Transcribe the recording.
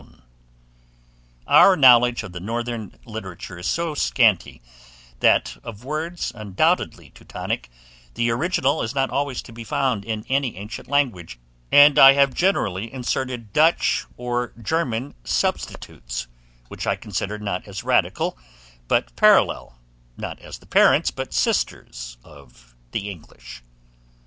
] Our knowledge of the northern literature is so scanty, that of words undoubtedly Teutonick the original is not always to be found in any ancient language; and I have therefore inserted Dutch or German substitutes, which I consider not as radical but parallel, not as the parents, but sisters of the English.